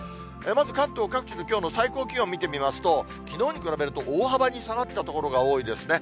まず関東各地のきょうの最高気温見てみますと、きのうに比べると大幅に下がった所が多いですね。